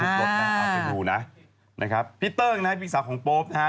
รถนะเอาไปดูนะนะครับพี่เติ้งนะฮะพี่สาวของโป๊ปนะฮะ